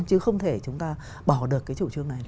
chứ không thể chúng ta bỏ được cái chủ trương này